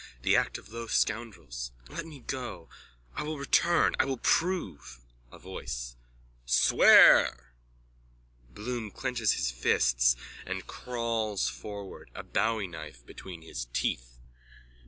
The act of low scoundrels. Let me go. I will return. I will prove... A VOICE: Swear! _(Bloom clenches his fists and crawls forward, a bowieknife between his teeth.)